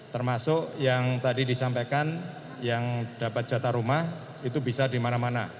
termasuk yang tadi disampaikan yang dapat jatah rumah itu bisa di mana mana